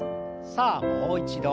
さあもう一度。